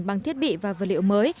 bằng thiết bị và vật liệu mới